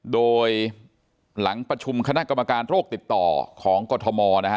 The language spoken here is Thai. โดยหลังประชุมคณะกรรมการโรคติดต่อของกรทมนะฮะ